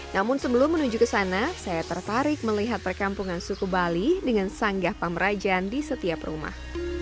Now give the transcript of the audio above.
namun sebelum menuju ke sana saya tertarik melihat perkampungan suku bali dengan sanggah pamerajan di setiap rumah